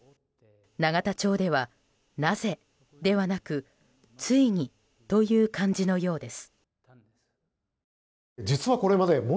永田町では、なぜ？ではなくついにという感じのようです。